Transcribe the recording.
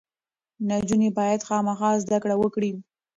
نجونې باید خامخا زده کړې وکړي.